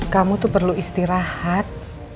kamu tuh perlu istirahat